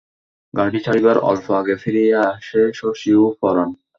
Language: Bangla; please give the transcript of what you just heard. গাড়ি ছাড়িবার অল্প আগে ফিরিয়া আসে শশী ও পরাণ।